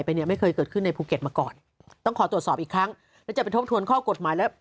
ภูเกตมาก่อนต้องขอตรวจสอบอีกครั้งแล้วจะไปทบทวนข้อกฎหมายและ